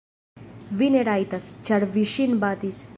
Vi ne rajtas, ĉar vi ŝin batis.